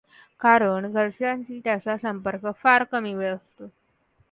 कारण घरच्याशी त्याचा संपर्क फार कमी वेळ असतो.